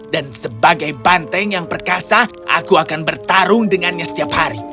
dan sebagai banteng yang perkasa aku akan bertarung dengannya setiap hari